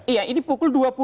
iya ini pukul dua puluh